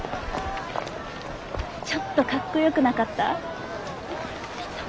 ちょっとかっこよくなかった？